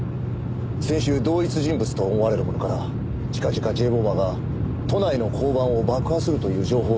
先週同一人物と思われる者から近々Ｊ・ボマーが都内の交番を爆破するという情報が入っていたんだ。